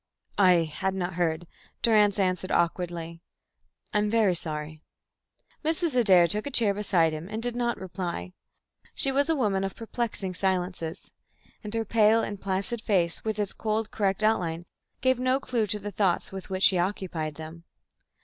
"I had not heard," Durrance answered awkwardly. "I am very sorry." Mrs. Adair took a chair beside him and did not reply. She was a woman of perplexing silences; and her pale and placid face, with its cold correct outline, gave no clue to the thoughts with which she occupied them.